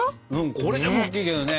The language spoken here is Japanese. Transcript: これでもおっきいけどね。